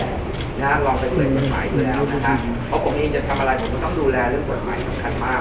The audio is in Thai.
เพราะผมเองจะทำอะไรผมต้องดูแลเรื่องกฎหมายสำคัญมาก